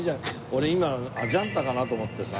俺今アジャンタかなと思ってさ。